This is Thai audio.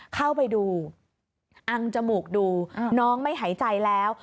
เข้าไปดูอังจมูกดูน้องไม่หายใจแล้ว